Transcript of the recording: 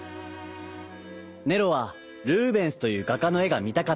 ネロはルーベンスというがかのえがみたかったのです。